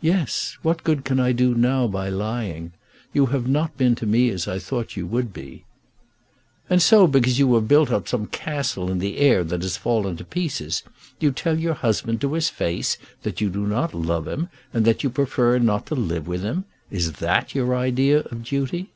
"Yes; what good can I do now by lying? You have not been to me as I thought you would be." "And so, because you have built up some castle in the air that has fallen to pieces, you tell your husband to his face that you do not love him, and that you prefer not to live with him. Is that your idea of duty?"